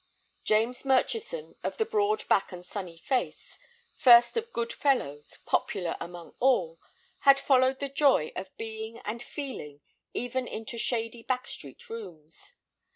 James Murchison of the broad back and sunny face, first of good fellows, popular among all, had followed the joy of being and feeling even into shady back street rooms.